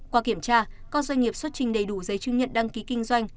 qua kiểm tra các doanh nghiệp xuất trình đầy đủ giấy chứng nhận đăng ký kinh doanh